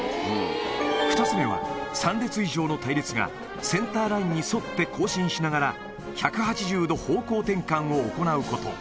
２つ目は、３列以上の隊列がセンターラインに沿って行進しながら１８０度方向転換を行うこと。